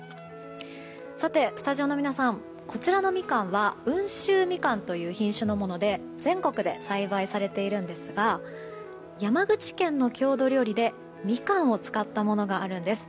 さて、スタジオの皆さんこちらのみかんは温州みかんという品種のもので全国で栽培されているんですが山口県の郷土料理でみかんを使ったものがあるんです。